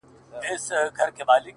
• نو پوهېږم چي غویی دی درېدلی,